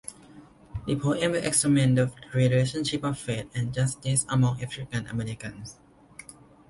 The poems examine the relationship of faith and justice among African Americans.